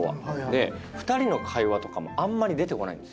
で２人の会話とかもあんまり出てこないんですよ。